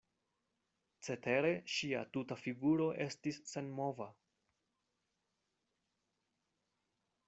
Cetere ŝia tuta figuro estis senmova.